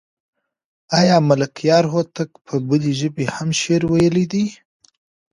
آیا ملکیار هوتک په بلې ژبې هم شعر ویلی دی؟